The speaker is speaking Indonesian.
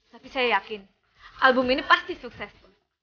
tapi saya yakin album ini pasti sukses